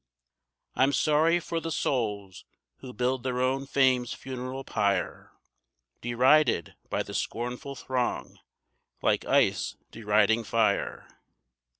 I'm sorry for the souls who build their own fame's funeral pyre, Derided by the scornful throng like ice deriding fire.